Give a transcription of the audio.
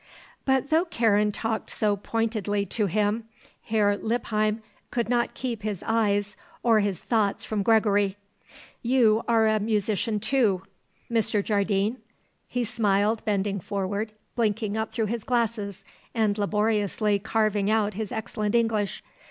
But though Karen talked so pointedly to him, Herr Lippheim could not keep his eyes or his thoughts from Gregory. "You are a musician, too, Mr. Jardine?" he smiled, bending forward, blinking up through his glasses and laboriously carving out his excellent English.